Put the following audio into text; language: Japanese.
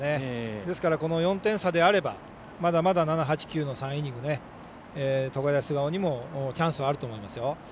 ですから４点差であればまだまだ７、８、９の３イニング、東海大菅生にもチャンスはあると思います。